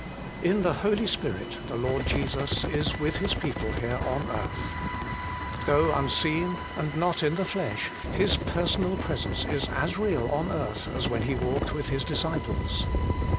In the Holy Spirit the Lord Jesus is with His people here on earth. Though unseen, and not in the flesh, His Personal Presence is as real on earth as when He walked with His disciples.